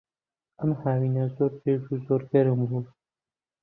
ئەم هاوینە زۆر درێژ و زۆر گەرم بوو.